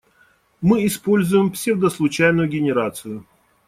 Мы используем псевдослучайную генерацию.